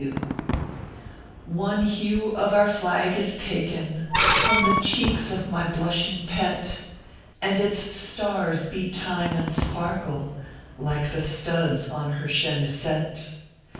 P. W . One hue of our flag is taken From the cheeks of my blushing Pet, And its stars beat time and sparkle Like the studs on her chemisette.